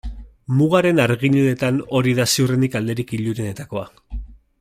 Mugaren argi-ilunetan hori da ziurrenik alderik ilunenetakoa.